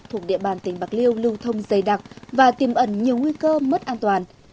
thuộc địa bàn tỉnh bạc liêu lưu thông dày đặc và tiềm ẩn nhiều nguy cơ mất an toàn